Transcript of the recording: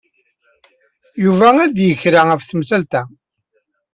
Yuba ad yeg kra ɣef temsalt-a.